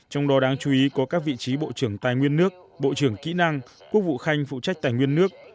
trong đó đáng chú ý có các vị trí bộ trưởng tài nguyên nước bộ trưởng kỹ năng quốc vụ khanh phụ trách tài nguyên nước